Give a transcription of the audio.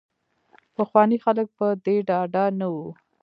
پخواني خلک په دې ډاډه نه وو.